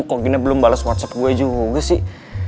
kok gini belum bales whatsapp gue juga sih